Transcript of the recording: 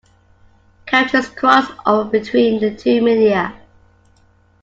Characters cross over between the two media.